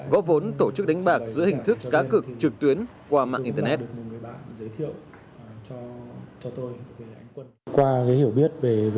góp vốn tổ chức đánh bạc giữa hình thức cá cực trực tuyến qua mạng internet